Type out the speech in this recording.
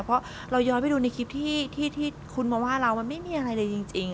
เพราะเราย้อนไปดูในคลิปที่คุณมาว่าเรามันไม่มีอะไรเลยจริง